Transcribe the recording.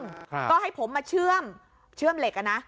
ก็ให้ผมมาเชื่อมเชื่อมเหล็กนะ